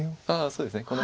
ああそうですね